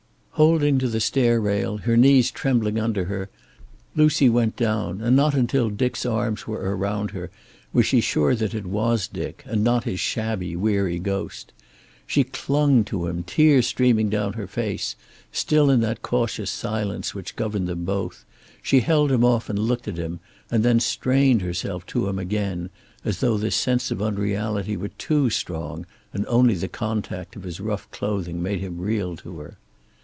Holding to the stair rail, her knees trembling under her, Lucy went down, and not until Dick's arms were around her was she sure that it was Dick, and not his shabby, weary ghost. She clung to him, tears streaming down her face, still in that cautious silence which governed them both; she held him off and looked at him, and then strained herself to him again, as though the sense of unreality were too strong, and only the contact of his rough clothing made him real to her.